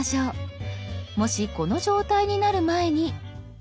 もしこの状態になる前に。